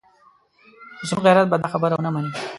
زموږ غیرت به دا خبره ونه مني.